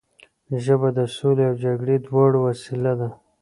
ژبه د سولې او جګړې دواړو وسیله ده